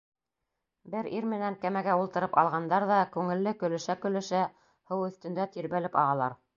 Бер ир менән кәмәгә ултырып алғандар ҙа күңелле көлөшә-көлөшә һыу өҫтөндә тирбәлеп ағалар.